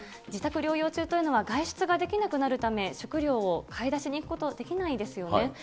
自宅療養中というのは外出ができなくなるため、食料を買い出しに行くことができないですよね。